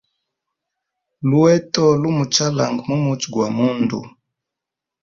Luheto lu muchalanga mu muchwe gwa mundu.